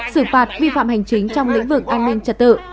xử phạt vi phạm hành chính trong lĩnh vực an ninh trật tự